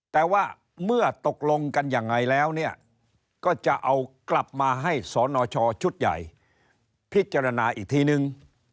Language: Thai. แต่ว่าเมื่อตกลงกันยังไงแล้วเนี่ยก็จะเอากลับมาให้สนชชุดใหญ่พิจารณาอีกทีนึง